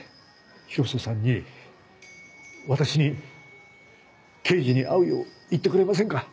広瀬さんに私に刑事に会うよう言ってくれませんか？